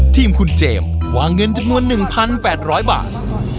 ทีมคุณเจมส์วางเงินจำนวน๑๘๐๐บาท